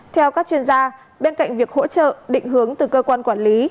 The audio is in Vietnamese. theo các chuyên gia bên cạnh việc hỗ trợ định hướng từ cơ quan quản lý